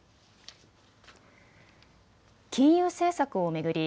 金融政策を巡り